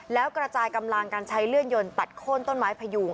แล้วกระจายกำลังการใช้เลื่อนยนตัดโค้นต้นไม้พยุง